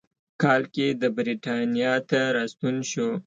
کال کې د برېټانیا ته راستون شو.